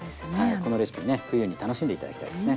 このレシピね冬に楽しんで頂きたいですね。